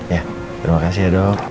ya terima kasih ya dok